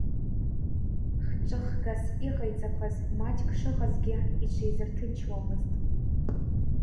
Хҿыхгас иҟаиҵақәаз маҷк шыҟазгьы, иҽизырҭынчуамызт.